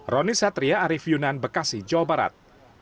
roni satria arief yunan bekasi jawa barat